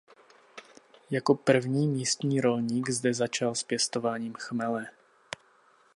Jako první místní rolník zde začal s pěstováním chmele.